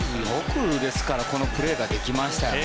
ですからよくこのプレーができましたよね。